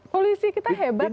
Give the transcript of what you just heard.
polisi kita hebat kok